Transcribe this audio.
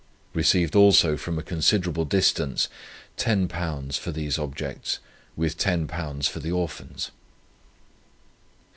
Received also from a considerable distance £10 for these objects, with £10 for the Orphans.